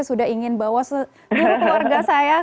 sudah ingin bawa seluruh keluarga saya